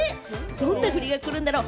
どんなフリが来るんだろう？